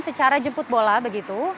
secara jemput bola begitu